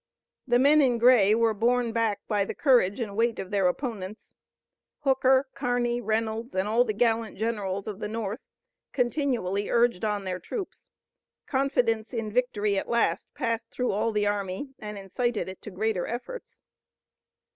The men in gray were borne back by the courage and weight of their opponents. Hooker, Kearney, Reynolds and all the gallant generals of the North continually urged on their troops. Confidence in victory at last passed through all the army, and incited it to greater efforts.